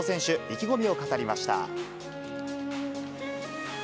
意気込みを語りました。